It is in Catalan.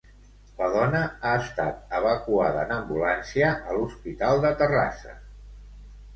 La dona ha estat evacuada en ambulància a l'Hospital de Terrassa.